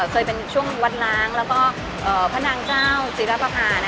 เคยเป็นช่วงวัดล้างแล้วก็พระนางเจ้าทรีื่อพทานะคะ